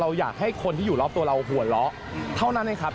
อยากให้คนที่อยู่รอบตัวเราหัวเราะเท่านั้นเองครับ